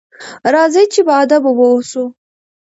راځئ چې باادبه واوسو.